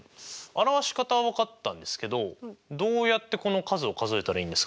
表し方は分かったんですけどどうやってこの数を数えたらいいんですかね？